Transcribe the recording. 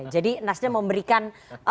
jadi nasdaq memberikan